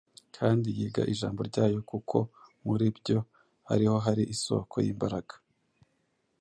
kandi yiga Ijambo ryayo, kuko muri byo ari ho hari isoko y’imbaraga.